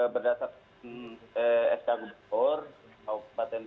berdasarkan sk gubernur